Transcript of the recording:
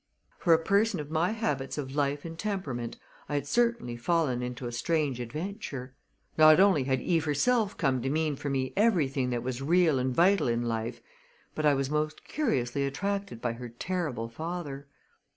For a person of my habits of life and temperament I had certainly fallen into a strange adventure. Not only had Eve herself come to mean for me everything that was real and vital in life, but I was most curiously attracted by her terrible father.